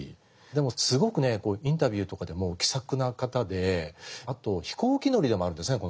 でもすごくねインタビューとかでも気さくな方であと飛行機乗りでもあるんですね